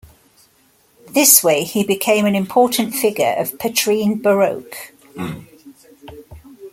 This way he became an important figure of Petrine Baroque.